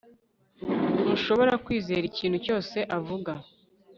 ntushobora kwizera ikintu cyose avuga